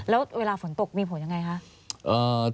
แล้วเวลาฝนตกมีผลยังไงคะ